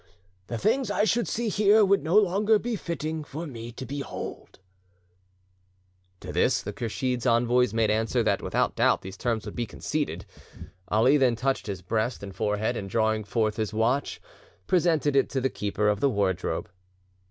The things I should see here would no longer be fitting for me to behold." To this Kursheed's envoys made answer that without doubt these terms would be conceded. Ali then touched his breast and forehead, and, drawing forth his watch, presented it to the keeper of the wardrobe.